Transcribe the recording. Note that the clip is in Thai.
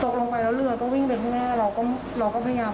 ตกลงไปแล้วเรือก็วิ่งไปทุกแม่เราก็พยายามมองแต่มันมืดแล้ว